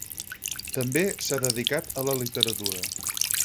També s'ha dedicat a la literatura.